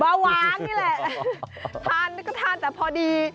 เบาวางนี่แหละทานก็ทานแต่พอดี